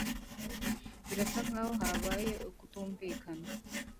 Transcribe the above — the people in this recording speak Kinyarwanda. Birasa nkaho habaye ukutumvikana.